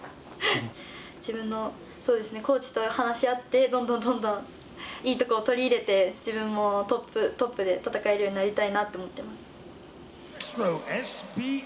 自分のコーチと話し合ってどんどんどんどんいいところを取り入れて自分もトップで戦えるようになりたいなって思ってます。